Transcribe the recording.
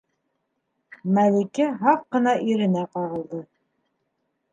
- Мәликә һаҡ ҡына иренә ҡағылды.